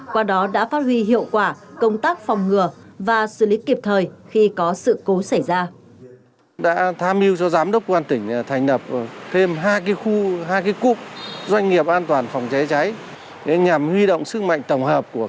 qua đó đã phát huy hiệu quả công tác phòng ngừa và xử lý kịp thời khi có sự cố xảy ra